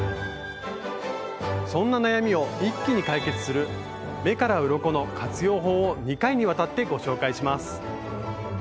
そんな悩みを一気に解決する「目からうろこ」の活用法を２回にわたってご紹介します！